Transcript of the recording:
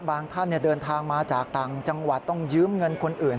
ท่านเดินทางมาจากต่างจังหวัดต้องยืมเงินคนอื่น